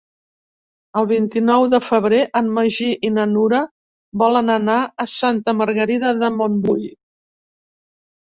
El vint-i-nou de febrer en Magí i na Nura volen anar a Santa Margarida de Montbui.